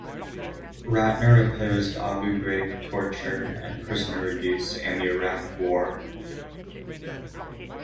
Ratner opposed Abu Ghraib torture and prisoner abuse and the Iraq War.